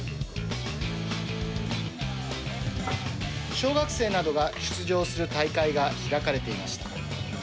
小学生などが出場する大会が開かれていました。